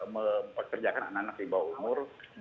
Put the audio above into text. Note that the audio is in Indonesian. memperkerjakan anak anak yang bawah umur